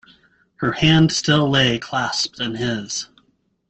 Her hand still lay clasped in his.